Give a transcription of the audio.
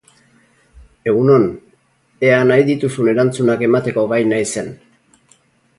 Egun on, ea nahi dituzun erantzunak emateko gai naizen.